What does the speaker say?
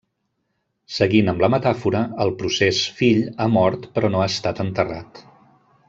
Seguint amb la metàfora, el procés fill ha mort però no ha estat enterrat.